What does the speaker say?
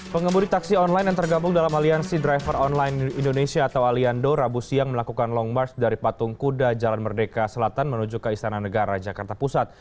pengembudi taksi online yang tergabung dalam aliansi driver online indonesia atau aliando rabu siang melakukan long march dari patung kuda jalan merdeka selatan menuju ke istana negara jakarta pusat